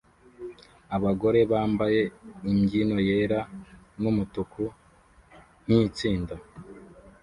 Abagore bambaye imbyino yera numutuku nkitsinda